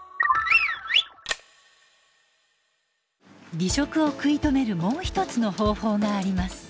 離職を食い止めるもう１つの方法があります。